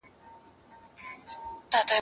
د سل سره اژدها په كور كي غم وو